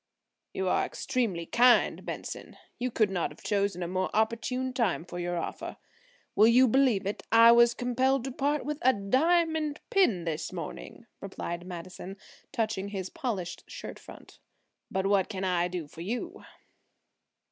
"You are extremely kind, Benson; you could not have chosen a more opportune time for your offer. Will you believe it–I was compelled to part with a diamond pin this morning," replied Madison, touching his polished shirt front. "But what can I do for you?"